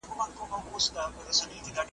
زه خبر سوم .